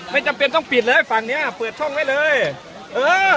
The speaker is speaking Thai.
ไม่จำเป็นต้องปิดเลยฝั่งเนี้ยเปิดช่องไว้เลยเออ